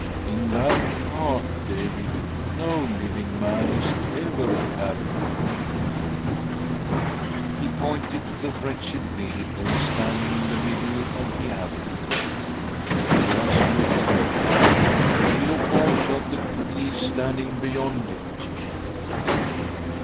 In that cart, David, no living man is ever carried I '' v He pointed to the wretched vehicle, standing in •■ i the middle of the avenue. "Just look at the cart, and look also at the trees, standing beyond it."